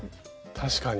確かに。